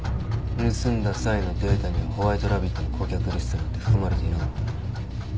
盗んだサイのデータにはホワイトラビットの顧客リストなんて含まれていなかった。